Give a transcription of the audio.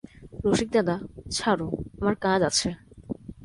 রসিকদাদা, ছাড়ো– আমার কাজ আছে।